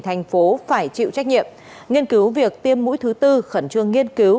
thành phố phải chịu trách nhiệm nghiên cứu việc tiêm mũi thứ tư khẩn trương nghiên cứu